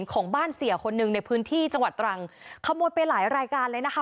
ของบ้านเสียคนหนึ่งในพื้นที่จังหวัดตรังขโมยไปหลายรายการเลยนะคะ